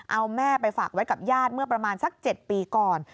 เอาแม่ไปฝากไว้กับญาติเมื่อประมาณสัก๗ปีก่อน